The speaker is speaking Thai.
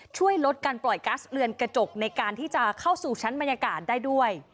ช่วยลดการปล่อยกัสเรือนกระจกในการที่จะเข้าสู่ชั้นบรรยากาศได้ด้วย